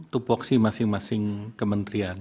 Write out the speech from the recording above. tupoksi masing masing kementerian